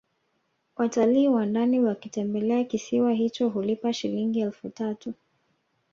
Watalii wa ndani wakitembelea kisiwa hicho hulipa Shilingi elfu tatu